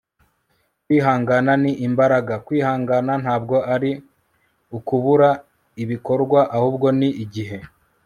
kwihangana ni imbaraga. kwihangana ntabwo ari ukubura ibikorwa; ahubwo ni igihe